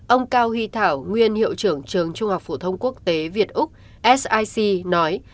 ông cao huy thảo nguyên hiệu trưởng trường trung học phổ thông quốc tế việt úc sic nói